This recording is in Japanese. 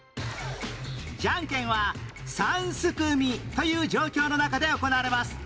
じゃんけんは「三すくみ」という状況の中で行われます